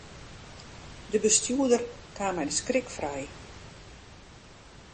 De bestjoerder kaam mei de skrik frij.